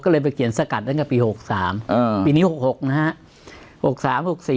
ก็เลยไปเขียนสกัดตั้งแต่ปี๖๓ปีนี้๖๖นะฮะ